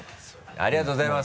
ありがとうございます。